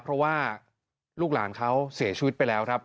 เพราะว่าลูกหลานเขาเสียชีวิตไปแล้วครับ